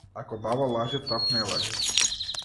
Ако баба лажи, трап не лажи.